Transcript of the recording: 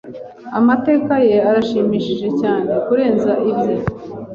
Amateka ye arashimishije cyane kurenza ibye. (mamat)